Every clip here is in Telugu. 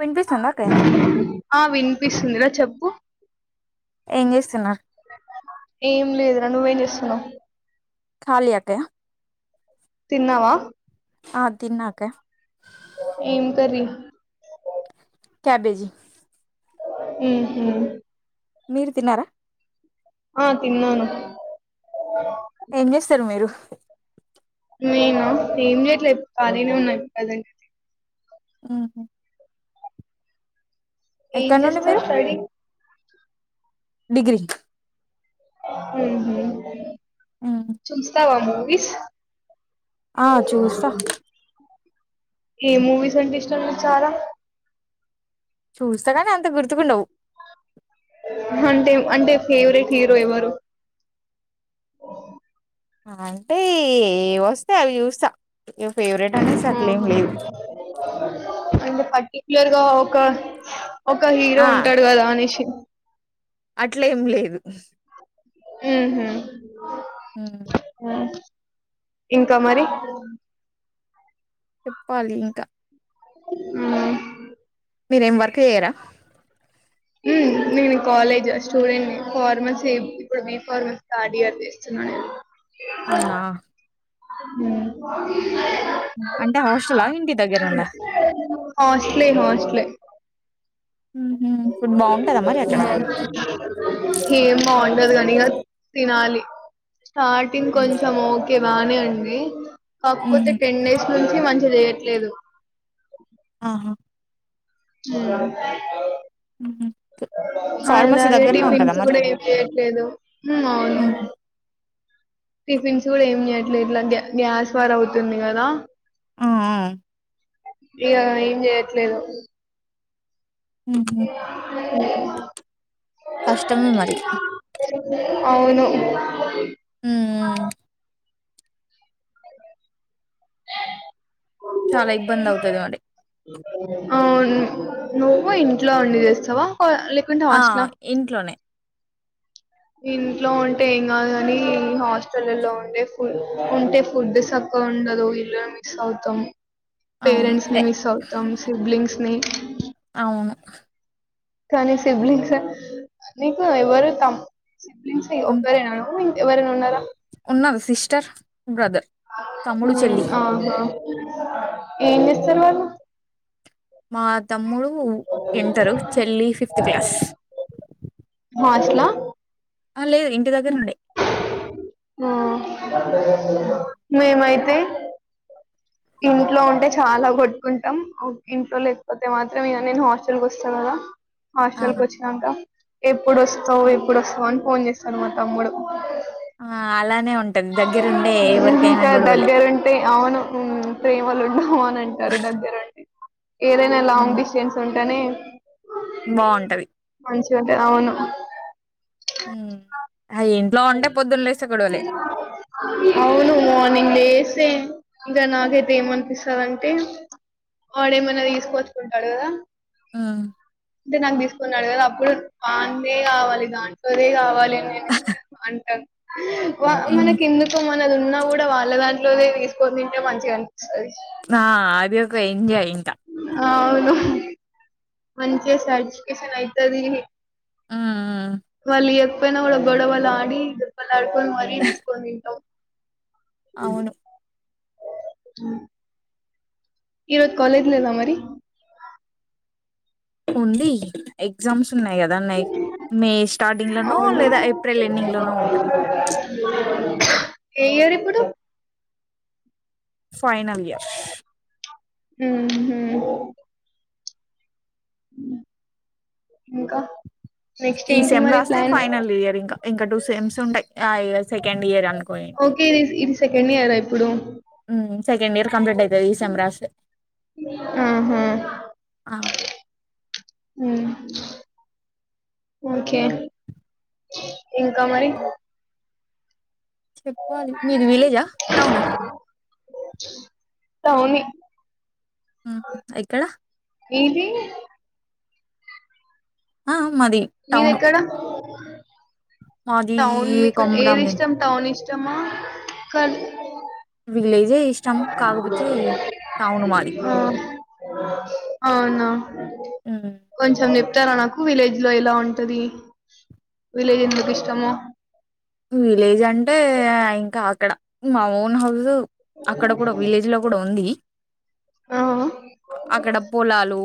వినిపిస్తుందా అక్కయ్య ఆ వినిపిస్తుందిరా చెప్పు ఏం చేస్తున్నారు ఏం లేదురా నువ్వేం చేస్తున్నవ్ ఖాలీ అక్కయ్య తిన్నావా ఆ తిన్న అక్క ఏం కర్రీ క్యాబేజీ ఆహా మీరు తిన్నారా ఆ తిన్నాను ఏం చేస్తారు మీరు నేయినా ఏం చేయట్లేదు ఖాళీనే ఉన్నాను కదండి అది ఆహ ఏం నుండి చేస్తా మీరు స్టడీ [inaudible] డిగ్రీ హహా ఉహు. చూస్తా వాము వస్ ఆ చూస్తా ఏ మూవీస్ అంటే ఇష్టం విచారా చూస్తా కాని అంత గుర్తుకుండవు అంటే అంటే ఫేవరెట్ హీరో ఎవరు అంటే ఏ వస్తాయి అవి చూస్తా ఫేవరెట్ రనీసాట్లయం ఆహా లలీవ్ క్లర్గా ఒక ఒక హీరో ఉంటాడు కదా అనిష అట్లే ఏం లేదు ఉహ ఉమ్. ఆ ఇంకా మరి చెప్పాలి ఇంకా అ మీరేం వర్క్ చేయ్యారా నేను కాలేజ్ స్టూడెంట్ ని ఫార్మస్ ఇప్పుడు బి ఫార్మస్ స్టార్డయర్ ఇస్తున్నా నేను అవునా హ అంటే హాస్టల్ ఇంటి దగ్గరుండ హాస్ట్లే హాస్ట్లే ఉహు. ఫుడ్ బాగుంటదా మరి అక్కడ హ మన్ ఉదు కనీగా తినాలి స్టార్టింగ్ కొంచం ఓకే బానే అండి కాకపోతే ఉహు. టెన్ డేస్ నుంచి మంచి చేయట్లేదు ఆహా ఉమ్ ఉహు. ఫార్మసీ అలాగే దగ్గరనే ఉంటదా టిఫిన్స్ మరి కూడా ఏం చేయట్లేదు ఉ అవును హుహు. టిఫిన్స్ కూడా ఏం చేయ ఇట్లా గ్యాస్ వార్ అవుతుంది కదా ఆ ఆ ఇగ ఏం చెయట్లేదు ఉహు కష్టమే మరి అవును ఆ హ్మ్. చాల ఇబ్బంది అవుతది మరి నువ్వు ఇంట్లో ఉండి చేస్తావా ఆ, లేకుంటే ఆ హాస్టలా ఇంట్లోనే ఇంట్లో ఉంటే ఏం కాదు. కాని హాస్టల్ల ల్లో ఉండే ఫుడ్ ఉంటే ఫుడ్ చక్కగా ఉండదు ఇల్లు మిస్ అవుతాం. అవును. పేరెంట్స్ ఎ ని మిస్ అవుతాం సిబ్లింగ్స్ నే అవును కానీ సిబ్లింగ్స్ నీకు ఎవరు తం సిబ్లింగ్స్ ఉన్ ఒక్కరేనా ఎవరైనా ఉన్నారా ఉన్నారు సిస్టర్, బ్రదర్. తమ్ముడు, ఉమ్ చెల్లి. అవునా ఏం చేస్తరు వాళ్ళు మా తమ్ముడు ఇంటరు చెల్లి ఫిఫ్త్ క్లాస్ హాస్ట్ లా ఆ లేదు ఇంటి దగ్గర నుండి ఆ మేమైత్ తే ఇంట్లో ఉంటే చాలా కొట్టుకుంటాం ఇంట్లో లేకపోతే మాత్రం ఇక నేను హాస్టల్ కి వస్తన్నా హాస్టల్ కి ఆహా! వచ్చినంకా ఎప్పుడు ఒస్తవ్ ఎప్పుడు ఒస్తవ్ అని ఫోన్ చేసాడు మా తమ్ముడు ఆ అల ఇంకా గొడవలే. దగ్గర ఉంటే అవును ప్రేమలు ఉండవు అని అంటారు దగ్గరుంటే ఏదైనా లాంగ్ హ్మ్. డిస్టేన్స్ ఉం కనీ బావుంటది. మంచిగ ఉంట అవును హ్మ్. ఆ! ఇంట్లో ఉంటే పొద్దున లేస్తే గొడవలే. అవును మార్నింగ్ లేస్ స్తే ఇంకా నాకైతే ఏమనిపిస్తదంటే వాడేమన్న తీసుకొచ్చుకుంటాడు కదా హ్మ్. దినామ్ తిస్ కొన్నాడు కదా అప్పుడు వాందే కావాలి దాంట్లోదే కావాలి అంటా వా హ్మ్. మనకెందుకు మనదున్న కూడా వాళ్ళ దాంట్లోదే తీసుకొని తింటే మంచిగా అనిపిస్తది ఆ అది ఒక ఎంజాయ్ ఇంకా. ఆవును మంచిగా సటిస్ఫికేషన్ అయ్యితది హ్మ్. హ్మ్. వల్లియక్ పోయిన కూడా గొడవలడి లాడుకొని మరీ తీసుకొని తింటావ్ అవును మ్మ్ ఈ రోజు కాలేజ్ లేదా మరి ఉంది ఎగ్జామ్స్ కదా [unintelligible] మే స్టార్టింగ్ లోనో అవును లేదా ఏప్రిల్ ఎండింగ్ లోనో ఉంటది ఏ ఇయర్ ఇప్పుడు ఫైనల్ ఇయర్ ఉహు ఇంకా నెక్స్ట్ ఈ ఏంటి సెమ్ మరి రాస్తే ప్లాన్ ఫైనల్ ఇయర్ ఇంకా ఇంకా టూ సెమ్స్ ఉంటాయి ఆ ఈ రోజ్ సెకండ్ ఇయర్ అనుకో ఏంటి ఓకే ఇది ఇది సెకండ్ ఇయరా ఇప్పుడు సెకండ్ ఇయర్ కంప్లీట్ అవుతుంది ఈ సేమ్ రాస్తే ఉహు ఓకే ఇంకా మరి చెప్పాలి మీది విలేజా టౌనా టౌనే ఆ ఎక్కడ మీది ఆ మాది టౌను మీదెక్కడ మాది టౌన్ మీకు ఏది కొమరాంభీం ఇష్టం టౌన్ ఇష్ట ఇష్టమా కర్రీ లే టౌన్ మాది అవునా కొంచెం చెప్ ఇస్తారా నాకు విలేజ్ లో ఎలా ఉంటది విలేజ్ ఎందుకు ఇష్టమో విలేజ్ అంటే ఇంకా అక్కడ మా ఓన్ హౌస్ అక్కడ కూడా విలేజ్ లో కూడా ఉంది ఆ అక్కడ పొలాలు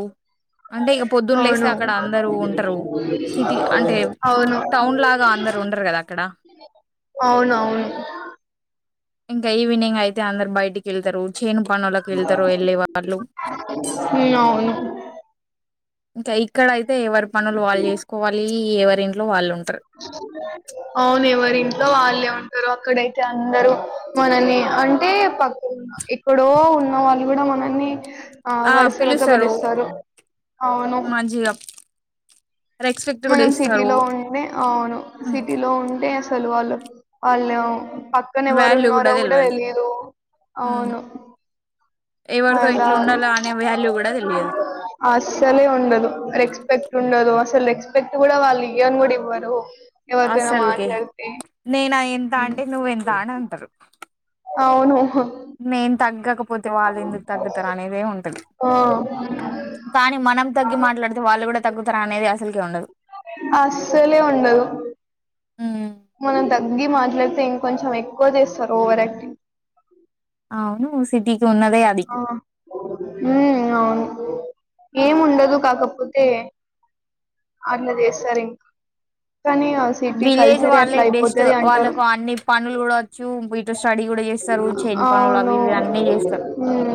అంటే ఇక పొద్దున్న లేస్తే అవును అక్కడ అందరు ఉంటరు సిటీ అంటే అవును టౌన్ లాగా అందరు ఉండరు కదా అక్కడ అవునవును ఇంకా ఈవినింగ్ అయితే అందరు బయటికి వెళ్తరు అవును ఇంకా ఇక్కడయిత్ ఎవరి పనులు వాళ్ళు చేసుకోవాలి ఎవరి ఇంట్లో వాళ్ళు ఉంటరు అవును ఎవరి ఇంట్లో వాళ్ళే అక్కడైతే అందరూ మనల్ని అంటే పక్ ఎక్కడో ఉన్న వాళ్ళు కూడా మనల్ని ఆ వరుసలతో పిలుస్తారు అవును మంచిగా రెస్పెక్ట్ కూడా మనం ఇస్తారు సిటీలో ఉంటే అవును హ్మ్. సిటీలో ఉంటే సలు వాళ్ళు అళ్ళా పక్కన వాల్యూ కూడా ఎవరున్నారో కూడ తెలవదు తెలియదు హుహు. అవును ఎవరితో అలా ఎట్లా ఉండాలా అనే వాల్యూ కూడా తెలియదు అసలే ఉండదు రెస్పెక్ట్ ఉండదు అసలు రెస్పెక్ పెట్టి కూడా వాళ్ళు ఇయ్యన్ కూడా ఇవ్వరు ఎవరితోనో అసలుకే మాట్లాడితే నేను ఎంత అంటే నువ్వ ఎంత అని అంటారు అవును హ్ నేన్ తగ్గక పోతే వాళ్ళు ఎందుకు తగ్గుతారు అనేదే ఉంటది. ఆ కానీ మనం తగ్గి మాట్లాడితే వాళ్ళు కూడా తగ్గుతారు అనేది అస్ అసలుకే ఉండదు అస్సలే ఉండదు ఉమ్. మనం తల్ గ్గి మాట్లాడితే ఇంకొంచెం ఎక్కువ చేస్తారు ఓవర్ యాక్టింగ్ అవును సిద్ది ఆ ఉమ్ అవును ఏం ఉండదు కాక పోతే అర్న చేస్తారు ఇంకా కానీ ఆ సిటీ విలేజ్ కల్చరే వాళ్ళే అట్లా బెస్ట్ అయిపోతది అంటారు వాళ్ళకు అన్ని పనులు కూడా వచ్చు ఇటు స్టడీ కూడా చేస్తారు చేయని పనులు అవును అవి ఇవి అన్నీ చేస్తారు ఉమ్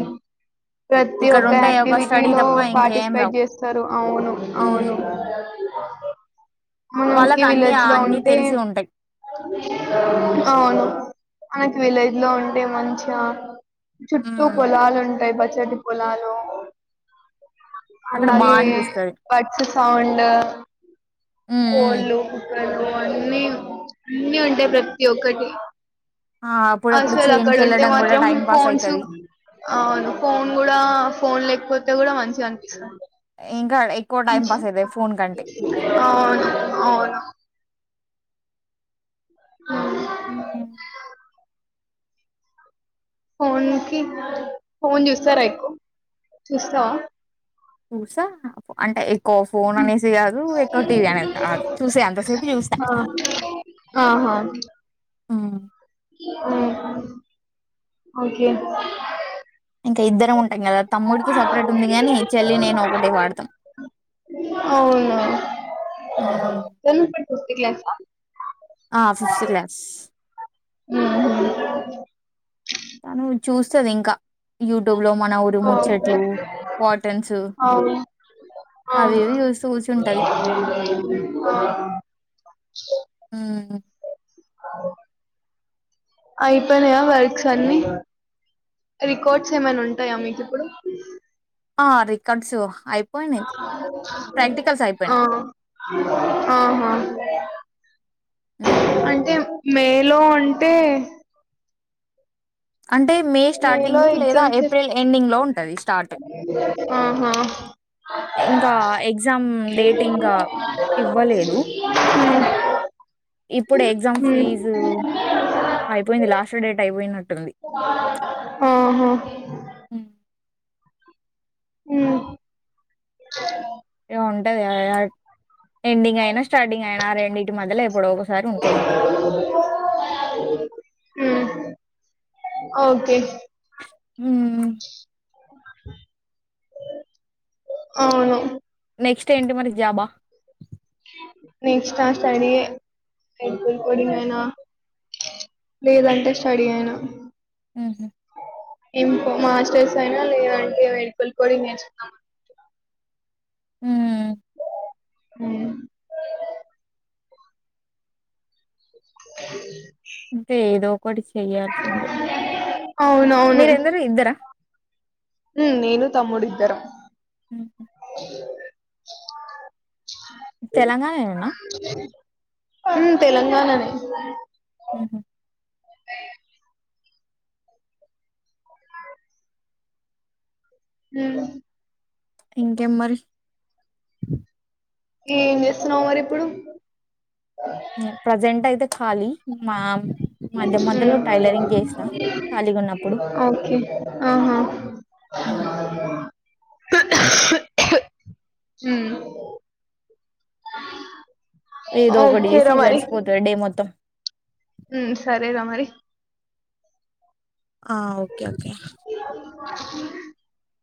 ప్రతి ఇక్కడ ఒక్క ఉంటాయి ఒక యాక్టివిటీ స్టడీ లో తప్ప ఇంకేం రావు పార్టిసిపేట్ చేస్తారు అవును ఉమ్. అవును మనం కి వాళ్ళకి అన్ని విలేజ్ లో అన్ని ఉంటే తెలిసి ఉంటాయి అవును ఆయనకి విలేజ్ లో ఉంటే మంచిగా చుట్టూ ఉమ్. పొలాలు ఉంటాయి బచ్ చెట్ పోలాలో. అక్కడ బాగా అలాగే అనిపిస్తది బర్డ్స్ సౌండ్. ఉమ్, ఉమ్. కోళ్ళు. కొల్లు అన్ని అన్నీ ఉంటై ప్రతి ఒక్కటి. ఆ, అప్పుడప్పుడు అసలక్కడ చేనుకి ఉంటే వెళ్ళడం కూడా మాత్రం టైం పాస్ ఫోన్సు అయితది అ ఫోన్ గుడా ఫోన్ లేకపోత్. డా గుడా మంచిగా అనిపిస్తది. ఇంకా ఎక్కువ టైం పాస్ ఐథాయ్ ఫోన్ కంటే. అవును అవును ఆ హు హ్మ్. ఫోన్ కి ఫోన్ జూస్తారా ఎక్కు చూస్తావా. చూసా అంటే ఎక్కువ ఫోన్ అనేసి కాదు ఎక్కువ టీవీ అనేది కాదు చూసే అంతసేపు జూస్త. ఆ ఆహా ఆ ఉమ్ ఓకే. ఇకా ఇద్దర ము. టామ్ గదా తమ్ముడికి సపరేట్ ఉంది గాని చెల్లి నేను ఒకటే వాడతాం. అవును తను ఇప్పుడు ఫిఫ్త్ క్లాసా. ఆ ఫిఫ్త్ క్లాస్. ఉహు తనూ చూస్తది ఇంకా యూట్. టూబ్ లో మన ఊరీ ముచ్చట్లు పాటన్స్ అవును అవును అవివి ఆహా జూస్తూ గుసుంటది ఉమ్. అవు ఐపేనయా వర్క్స్ అన్ని రికార్డ్స్ ఏమైనా ఉంటాయా మీకు ఇప్పుడు. ఆ రికార్డ్స్ ఐ. ఆ ఆహా. అంటే. మేలో అంటే. అంటే మే లో స్టార్టింగ్ లేదా ఎగ్జామ్స్ ఏప్రిల్ ఎండింగ్ లో ఉంటది స్టార్ట్ ఆహ ఇంకా ఎగ్జామ్ డేట్ హు ఇంకా ఇవ్వలేదు. ఇప్పుడు హ్మ్ ఉమ్. ఐ పోయింది లాస్ట్ డేట్ ఐపోయినట్. ఆహా. హ్మ్. ఉమ్. ఉండది యాయాట్. ఎండింగ్ ఐనా స్టార్టింగ్ ఐనా రెండింటి మధ్యలో ఎప్పుడోకసరి ఉంటుంది ఇంకా. ఉమ్ ఓకే. ఉమ్. అవును. నెక్స్ట్ ఏంటి మరి జాబా. నెక్స్ట్ ఆ స్టడీ ఎల్ కోడింగ్ అయినా లేదంటే స్టడీ అయినా హహ ఇంకో మాస్టర్స్ అయినా లేదంటే వేడుకలు కూడా నేర్చు అ హ హ [unintelligible] అంటే ఏదో ఒకటి చెయయాల్సిందే అవునవును మీరెందరు ఇద్దరా నేను తమ్ముడిద్దరం హ [unintelligible] తెలంగాణ ఏమనా అ తెలంగాణ న హుహు హ ఇంకే మరి ఏం చేస్తున్నావు మరి ఇప్పుడు ప్రజెంట్ అయితే ఖాళీ మా మధ్య మధ్యలో టైలరింగ్ చేస్తా ఖాళీగున్నప్పుడు. ఓకేహా హ్మ్ [unintelligible] ఏదో ఒకటి ఏసీ గడిచిపోతుంది డే మొత్తం సరే ర మరి ఆ ఓకే ఓకే అ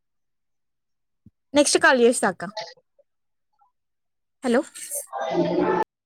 నెక్స్ట్ కాలీ వస్త తకా హలో [inaudible]